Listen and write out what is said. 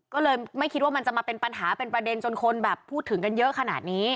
ก็เลยไม่คิดว่ามันจะมาเป็นปัญหาเป็นประเด็นจนคนแบบพูดถึงกันเยอะขนาดนี้